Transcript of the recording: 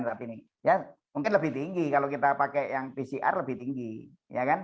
ya mungkin lebih tinggi kalau kita pakai yang pcr lebih tinggi ya kan